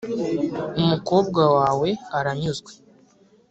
umukobwa wawe aranyuzwe.